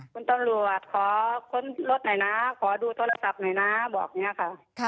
คุณตำรวจขอค้นรถหน่อยนะขอดูโทรศัพท์หน่อยนะบอกอย่างนี้ค่ะ